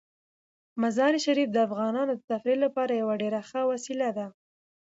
مزارشریف د افغانانو د تفریح لپاره یوه ډیره ښه وسیله ده.